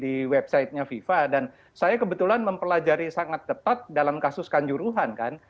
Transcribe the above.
di website nya viva dan saya kebetulan mempelajari sangat tepat dalam kasus kanjuruhan kan